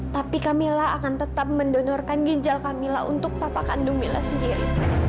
tapi camilla akan tetap mendonorkan ginjal camilla untuk papa kandung mila sendiri